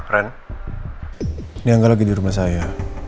keren ini angga lagi di rumah saya